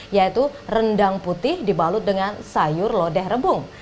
yaitu rendang putih dibalut dengan sayur lodeh rebung